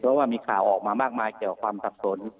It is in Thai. เพราะว่ามีข่าวออกมามากมายเกี่ยวกับความสับสน